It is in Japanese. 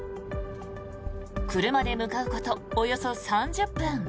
車で向かうことおよそ３０分。